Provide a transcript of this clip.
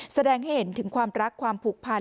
แสดงให้เห็นถึงความรักความผูกพัน